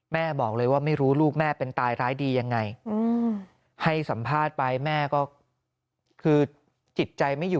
แม่บอกเลยว่าไม่รู้ลูกแม่เป็นตายร้ายดียังไงให้สัมภาษณ์ไปแม่ก็คือจิตใจไม่อยู่